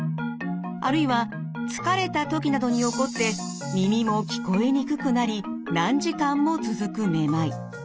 あるいは疲れたときなどに起こって耳も聞こえにくくなり何時間も続くめまい。